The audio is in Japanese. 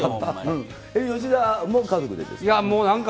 吉田も家族でですか？